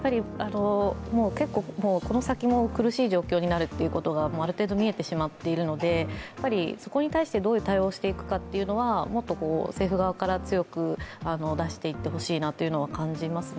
この先も苦しい状況になることがある程度見えてしまっているので、そこに対して、どういう対応をしていくのかというのはもっと政府側から強く出していってほしいなというのは感じますね。